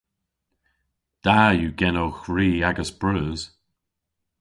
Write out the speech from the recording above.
Da yw genowgh ri agas breus.